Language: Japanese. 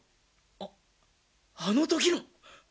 あっあの時の！